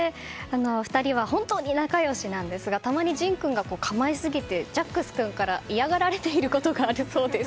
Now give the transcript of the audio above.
２人は本当に仲良しなんですがたまに、仁君が構いすぎてジャックス君から嫌がられていることがあるそうです。